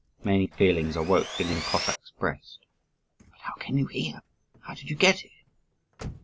'" Many feelings awoke in the young Cossack's breast. "But how came you here? how did you get here?"